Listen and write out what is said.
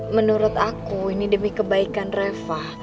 menurut aku ini demi kebaikan reva